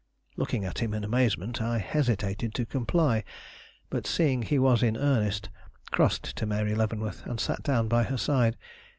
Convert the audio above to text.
Looking at him in amazement, I hesitated to comply; but, seeing he was in earnest, crossed to Mary Leavenworth and sat down by her side.